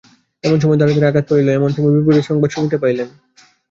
এমন সময় দ্বারে আঘাত পড়িল, এমন সময়ে বিপদের সংবাদ শুনিতে পাইলেন।